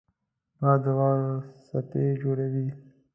باد د واورو څپې جوړوي